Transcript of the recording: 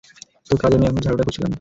তো, কাজের মেয়ে, আমরা ঝাড়ুটা খুজছিলাম।